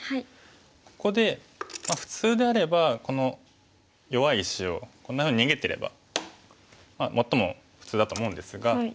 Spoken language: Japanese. ここで普通であればこの弱い石をこんなふうに逃げてれば最も普通だと思うんですが。